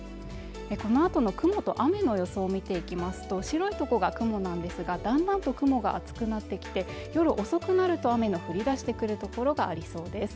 このあとの雲と雨の予想を見ていきますと白いところが雲なんですがだんだんと雲が厚くなってきて夜遅くなると雨の降りだしてくる所がありそうです